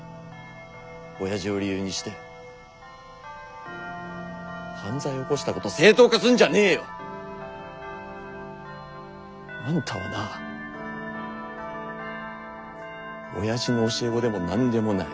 親父を理由にして犯罪起こしたこと正当化すんじゃねえよ！あんたはな親父の教え子でも何でもない。